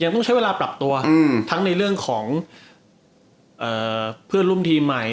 ต้องใช้เวลาปรับตัวทั้งในเรื่องของเพื่อนร่วมทีมใหม่